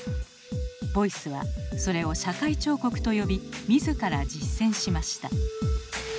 ボイスはそれを「社会彫刻」と呼び自ら実践しました。